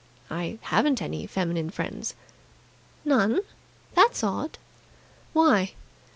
"I haven't any feminine friends." "None?" "That's odd." "Why?"